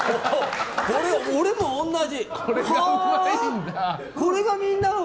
俺も同じ。